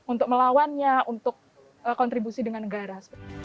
untuk melawannya untuk kontribusi dengan negara